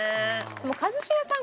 一茂さん